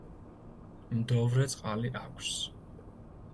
მდოვრე წყალი აქვს.